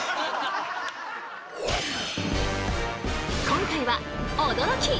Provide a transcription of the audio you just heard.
今回は驚き！